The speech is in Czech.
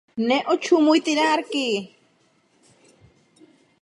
Místo abychom směřovali k izolaci, vydejme se cestou spolupráce.